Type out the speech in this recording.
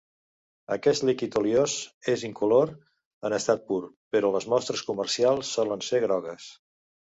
Aquest líquid oliós és incolor en estat pur, però les mostres comercials solen ser grogues.